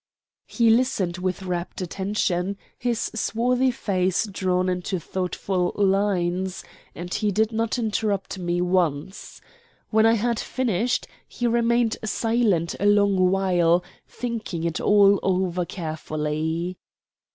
He listened with rapt attention, his swarthy face drawn into thoughtful lines, and he did not interrupt me once. When I had finished, he remained silent a long while thinking it all over carefully.